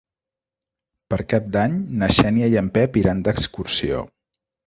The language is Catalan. Per Cap d'Any na Xènia i en Pep iran d'excursió.